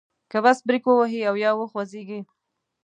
که بس بریک ووهي او یا وخوځیږي.